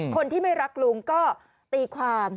คนที่ไม่รักลุงก็ตีความ